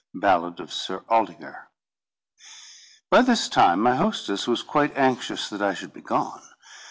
Ballad of Sir Aldingar. By this time, my hostess was quite anxious that I should be gone.